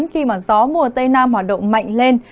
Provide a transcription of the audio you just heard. khi mà gió mùa tây nam hoạt động mạnh lên